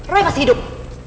roy masih hidup